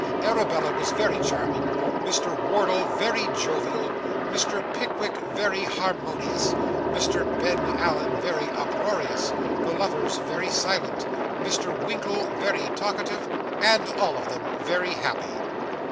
Arabella was very charming, Mr. Wardle very jovial, Mr. Pickwick very harmonious, Mr. Ben Allen very uproarious, the lovers very silent, Mr. Winkle very talkative, and all of them very happy.